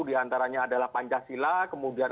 diantaranya adalah pancasila kemudian